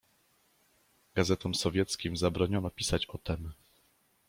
"Gazetom sowieckim zabroniono pisać o tem."